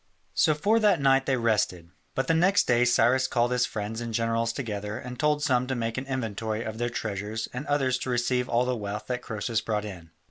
3] So for that night they rested. But the next day Cyrus called his friends and generals together and told some to make an inventory of their treasures and others to receive all the wealth that Croesus brought in.